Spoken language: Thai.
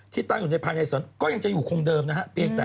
ที่ตั้งอยู่ภายในนัระศร้อนก็ยังจะอยู่คงเดิมนะครับ